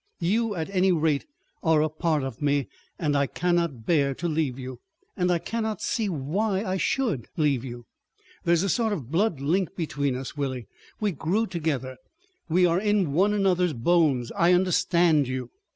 You, at any rate, are a part of me and I cannot bear to leave you. And I cannot see why I should leave you. There is a sort of blood link between us, Willie. We grew together. We are in one another's bones. I understand you.